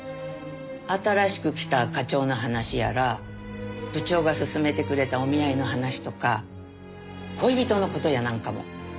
新しく来た課長の話やら部長がすすめてくれたお見合いの話とか恋人の事やなんかも。